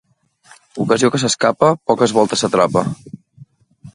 Ocasió que s'escapa, poques voltes s'atrapa.